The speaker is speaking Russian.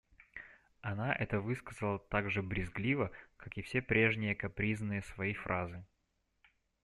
Она это высказала так же брезгливо, как и все прежние капризные свои фразы.